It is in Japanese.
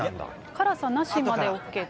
辛さなしまでＯＫと。